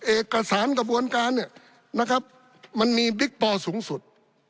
เอกสารกระบวนการเนี่ยนะครับมันมีบิ๊กปอลสูงสุด